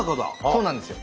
そうなんですよ。